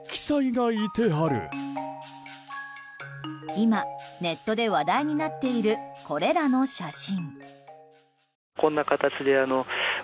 今、ネットで話題になっているこれらの写真。